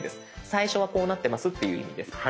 最初はこうなってますっていう意味です。